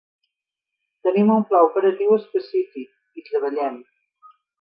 Tenim un pla operatiu específic, hi treballem.